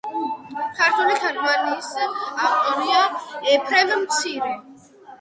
ქართული თარგმანის ავტორია ეფრემ მცირე.